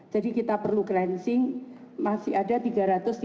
jadi kita perlu cleansing masih ada rp tiga ratus tiga belas dua ratus empat puluh empat